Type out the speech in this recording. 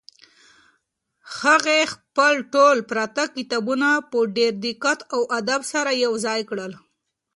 هغې خپل ټول پراته کتابونه په ډېر دقت او ادب سره یو ځای کړل.